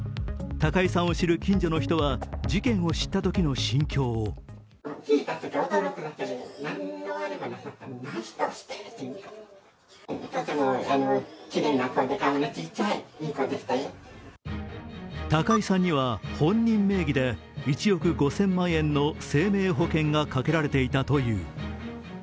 高井さんを知る近所の人は事件を知ったときの心境を高井さんには本人名義で１億５０００万円の生命保険が掛けられていたという。